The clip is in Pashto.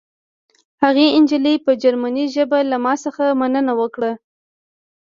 هغې نجلۍ په جرمني ژبه له ما څخه مننه وکړه